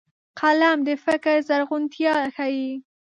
قلم د فکر زرغونتيا ښيي